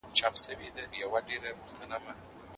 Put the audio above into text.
موږ په نوي کال کي نوي پلانونه لرو.